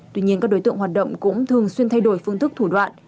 tuy nhiên các đối tượng hoạt động cũng thường xuyên thay đổi phương thức thủ đoạn